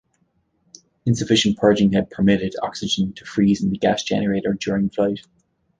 Insufficient purging had permitted oxygen to freeze in the gas generator during flight.